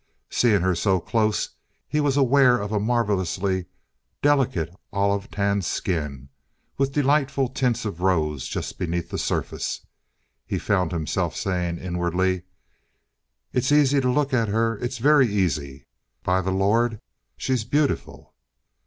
Seeing her so close, he was aware of a marvellously delicate olive tanned skin with delightful tints of rose just beneath the surface. He found himself saying inwardly: "It's easy to look at her. It's very easy. By the Lord, she's beautiful!"